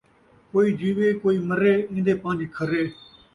کئی جیوے کئی مرے ، این٘دے پن٘ج کھرے